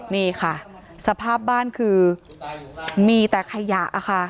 นี่ค่ะสภาพบ้านคือมีแต่ขยะค่ะ